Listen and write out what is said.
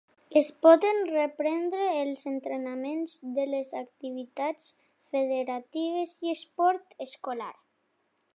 Es poden reprendre els entrenaments de les activitats federatives i esport escolar.